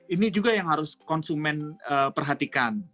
ini juga yang harus konsumen perhatikan